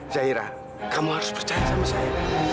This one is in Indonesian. zairah kamu harus percaya sama saya